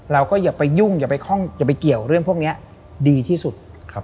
อย่าไปยุ่งอย่าไปเกี่ยวเรื่องพวกนี้ดีที่สุด